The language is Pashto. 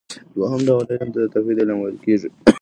دوهم ډول علم ته د توحيد علم ويل کېږي .